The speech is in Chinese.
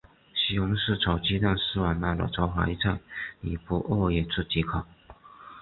西红柿炒鸡蛋是我妈的招牌菜，你不饿也吃几口。